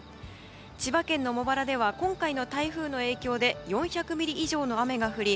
千葉県の茂原では今回の台風の影響で４００ミリ以上の雨が降り